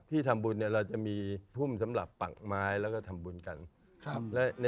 ที่ทำบุญที่จะมีพุ่มที่สำหรับปักไม้และจะทำบุญกัน